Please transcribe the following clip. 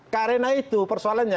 karena itu persoalannya